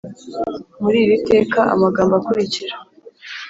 Muri iri teka amagambo akurikira